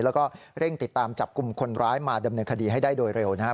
แล้วก็เร่งติดตามจับกลุ่มคนร้ายมาดำเนินคดีให้ได้โดยเร็วนะครับ